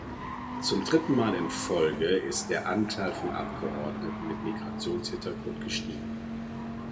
Zum dritten Mal in Folge ist der Anteil von Abgeordneten mit Migrationshintergrund gestiegen.